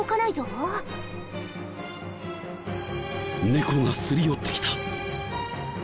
猫がすり寄ってきた。